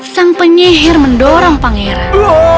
sang penyihir mendorong pangeran